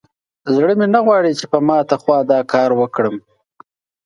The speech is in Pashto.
زړه مې نه غواړي چې په ماته خوا دا کار وکړم.